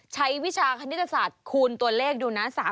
วิชาคณิตศาสตร์คูณตัวเลขดูนะ